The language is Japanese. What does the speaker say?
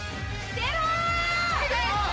出ろ！